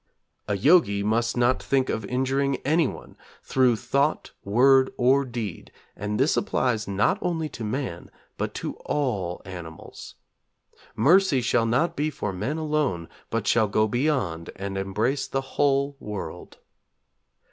_ 'A Yogî must not think of injuring anyone, through thought, word or deed, and this applies not only to man, but to all animals. Mercy shall not be for men alone, but shall go beyond, and embrace the whole world.'